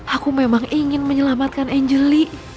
aku memang ingin menyelamatkan angel li